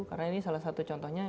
karena ini salah satu contohnya